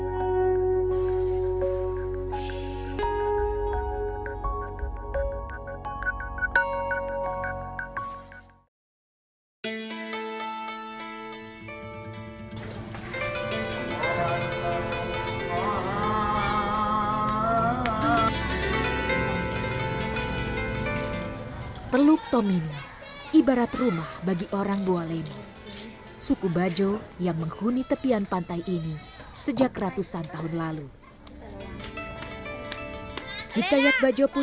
sampai jumpa di video selanjutnya